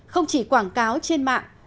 không chỉ quảng cáo trên mạng